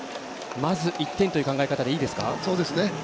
まず１点という考え方でいいですか？